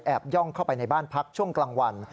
ย่องเข้าไปในบ้านพักช่วงกลางวัน